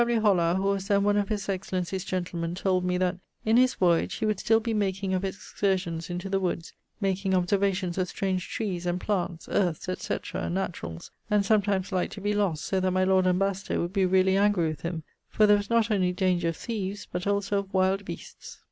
W. Hollar (who was then one of his excellencie's gentlemen) told me that, in his voyage, he would still be making of excursions into the woods, makeing observations of strange trees, and plants, earths, etc., naturalls, and sometimes like to be lost, so that my Lord Ambassador would be really angry with him, for there was not only danger of thieves, but also of wild beasts.